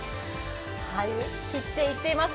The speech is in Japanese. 切っていっています。